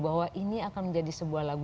bahwa ini akan menjadi sebuah lagu